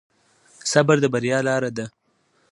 صبر د بریا لاره ده.